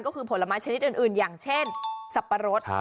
ก็คือผลไม้ชนิดอื่นอย่างเช่นสับปะรด